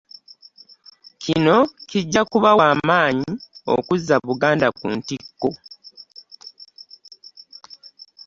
Kino kijja kubawa amaanyi okuzza Buganda ku ntikko.